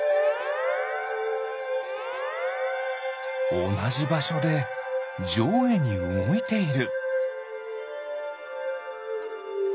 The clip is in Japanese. おなじばしょでじょうげにうごいている。